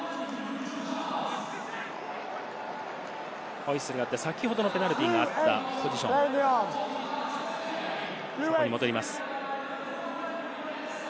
ホイッスルがあって、先ほどのペナルティーがあったポジション、そこに戻ります。